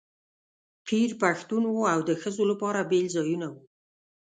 پیر پښتون و او د ښځو لپاره بېل ځایونه وو.